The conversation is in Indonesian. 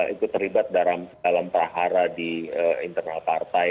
ikut terlibat dalam prahara di internal partai